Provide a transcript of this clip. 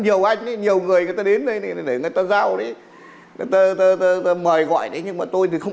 nhiều anh ấy nhiều người người ta đến đây để người ta giao đấy người ta mời gọi đấy nhưng mà tôi thì không